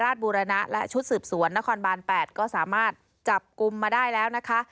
บูรณะและชุดสืบสวนนครบาน๘ก็สามารถจับกลุ่มมาได้แล้วนะคะ